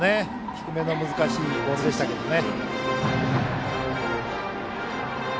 低めの難しいボールでしたけどね。